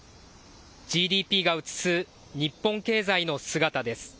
ＧＤＰが映す日本経済の姿です。